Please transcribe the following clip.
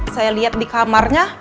saya liat di kamarnya